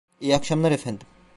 İyi akşamlar, efendim.